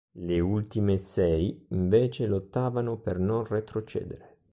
Le ultime sei, invece, lottavano per non retrocedere.